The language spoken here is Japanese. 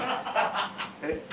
えっ？